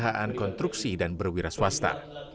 untuk perusahaan konstruksi dan berwiraswasta